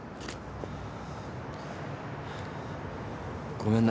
ごめんな。